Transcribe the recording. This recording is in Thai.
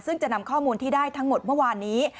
ซึ่งจะนำข้อมูลที่ได้ทั้งหมดเมื่อวานนี้